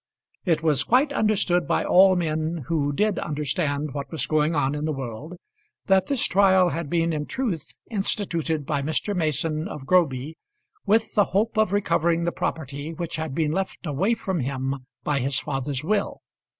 It was quite understood by all men who did understand what was going on in the world, that this trial had been in truth instituted by Mr. Mason of Groby with the hope of recovering the property which had been left away from him by his father's will.